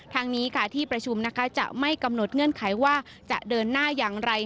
ทางนี้ค่ะที่ประชุมนะคะจะไม่กำหนดเงื่อนไขว่าจะเดินหน้าอย่างไร